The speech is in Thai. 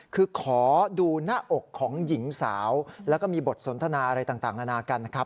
คือขอดูหน้าอกของหญิงสาวแล้วก็มีบทสนทนาอะไรต่างนานากันนะครับ